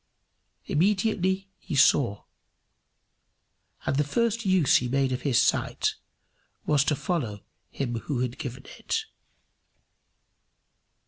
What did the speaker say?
Immediately he saw; and the first use he made of his sight was to follow him who had given it.